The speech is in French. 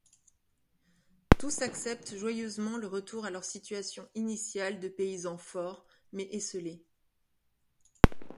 Tous acceptent joyeusement le retour à leur situation initiale de paysans forts mais esseulés.